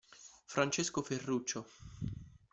Francesco Ferruccio